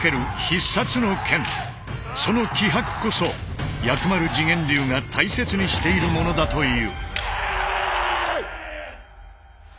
その気迫こそ薬丸自顕流が大切にしているものだという。